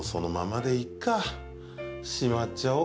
しまっちゃおう。